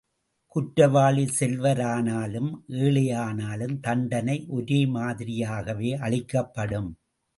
குற்றவாளி செல்வரானாலும், ஏழையானாலும் தண்டனை ஒரே மாதிரியாகவே அளிக்கப்படும்.